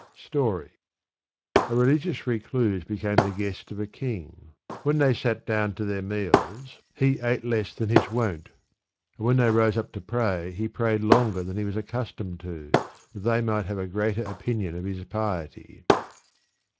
Story. A religious recluse became the guest of a king. When they sate down to their meals, he ate less than Digitized by Google p fe&^A ^ 274 Sa'di. u his wont ; and when they rose up to pray, he prayed longer than he was accustomed to, that they might have a greater opinion of his piety.